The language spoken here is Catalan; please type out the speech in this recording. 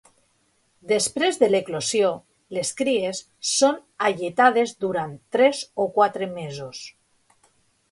Després de l'eclosió, les cries són alletades durant tres o quatre mesos.